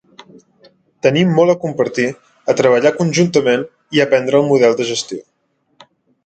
Tenim molt a compartir, a treballar conjuntament i aprendre el model de gestió.